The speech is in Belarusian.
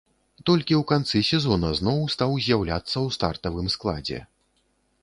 Толькі ў канцы сезона зноў стаў з'яўляцца ў стартавым складзе.